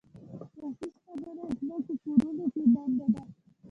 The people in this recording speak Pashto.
شخصي شتمني ځمکو کورونو کې بنده ده.